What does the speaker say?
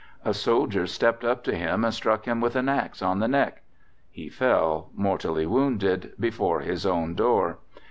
A soldier stepped up to him and struck him with an axe on the neck. He fell mortally wounded before his own door.